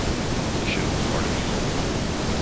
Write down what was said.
The show was part of E!